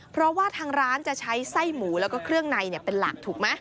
เพราะว่าทางร้านจะใช้ไส้หมูแล้วก็เครื่องในเป็นหลักถูกไหม